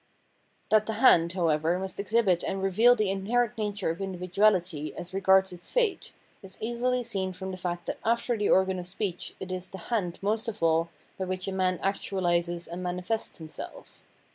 That the hand, however, must exhibit and reveal the inherent nature of individuahty as re gards its fate, is easily seen from the fact that after the organ of speech it is the hand most of all by which a man actuahses and manifests himself.